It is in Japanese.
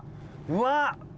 うわっ！